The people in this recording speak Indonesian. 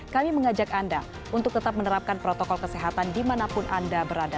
kami mengajak anda untuk tetap menerapkan protokol kesehatan dimanapun anda berada